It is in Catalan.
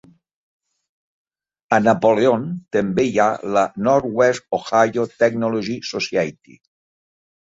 A Napoleon també hi ha la Northwest Ohio Technology Society.